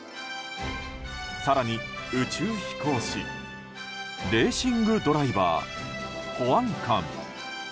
更に宇宙飛行士レーシングドライバー保安官。